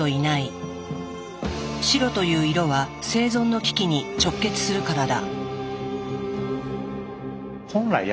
白という色は生存の危機に直結するからだ。